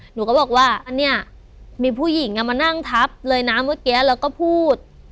หนูก็บอกว่าเนี่ยมีผู้หญิงมานั่งทับเลยนะเมื่อกี้แล้วก็พูด